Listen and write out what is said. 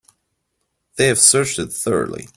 They have searched it thoroughly.